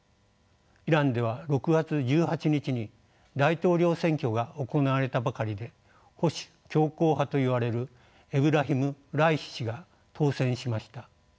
イランでは６月１８日に大統領選挙が行われたばかりで保守強硬派といわれるエブラヒム・ライシ師が当選しました。